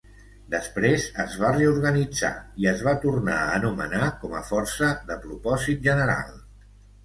Després es va reorganitzar i es va tornar a anomenar com a força de propòsit general.